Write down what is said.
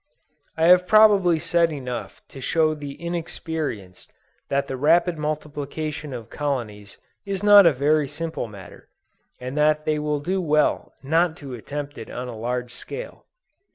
I have probably said enough to show the inexperienced that the rapid multiplication of colonies is not a very simple matter, and that they will do well not to attempt it on a large scale.